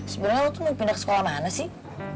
sebenernya lo tuh mau pindah ke sekolah mana sih